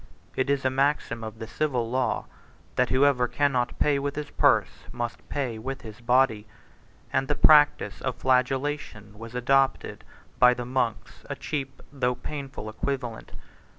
It is a maxim of the civil law, that whosoever cannot pay with his purse, must pay with his body; and the practice of flagellation was adopted by the monks, a cheap, though painful equivalent.